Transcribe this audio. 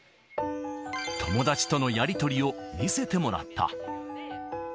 友達とのやり取りを見せてもらった。